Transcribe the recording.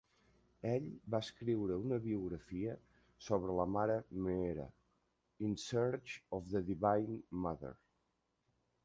Ell va escriure una biografia sobre la Mare Meera, "In Search of the Divine Mother".